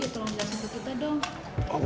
tolong jelasin ke kita dong